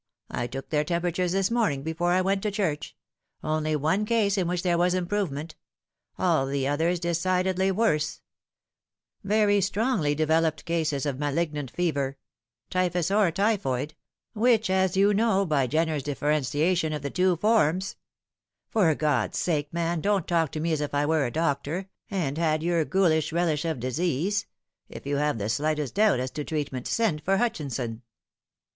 I took their temperatures this morning before I went to church : only one case in which there Without the Wolf. 47 was improvement all the others decidedly worse ; very strongly developed cases of malignant fever typhus or typhoid which, as you know, by Jenner's differentiation of the two forms "" For God's sake, man, don't talk to me as if I were a doctor, and had your ghoulish relish of disease ! If you have the slightest doubt as to treatment, send for Hutchinson."